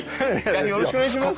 よろしくお願いします。